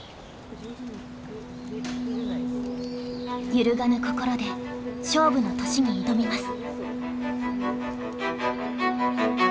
揺るがぬ心で勝負の年に挑みます。